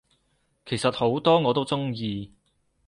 其實好多我都鍾意